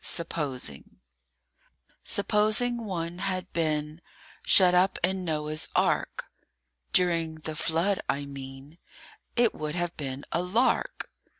SUPPOSING SUPPOSING one had been Shut up in Noah's Ark (During the flood, I mean) It would have been a lark!